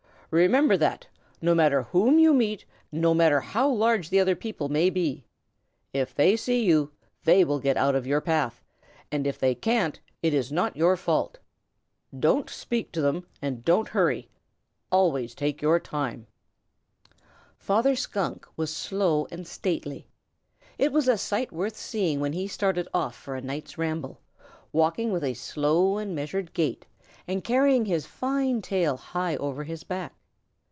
Remember that, no matter whom you meet and no matter how large the other people may be. If they see you, they will get out of your path, and if they can't it is not your fault. Don't speak to them and don't hurry. Always take your time." Father Skunk was slow and stately. It was a sight worth seeing when he started off for a night's ramble, walking with a slow and measured gait and carrying his fine tail high over his back.